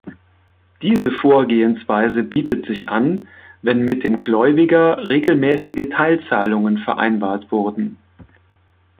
Diese Vorgehensweise bietet sich an, wenn mit dem Gläubiger regelmäßige Teilzahlungen vereinbart wurden.